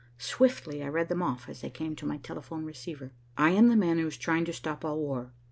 Swiftly I read them off, as they came to my telephone receiver. "I am the man who is trying to stop all war.